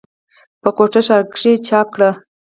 پۀ کوټه ښارکښې چاپ کړه ۔